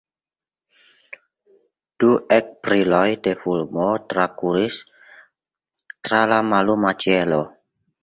Du ekbriloj de fulmo trakuris tra la malluma ĉielo.